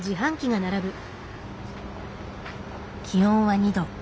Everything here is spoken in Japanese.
気温は２度。